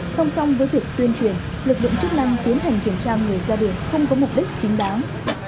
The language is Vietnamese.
song song với việc tuyên truyền lực lượng chức năng tiến hành kiểm tra người ra đường không có mục đích chính đáng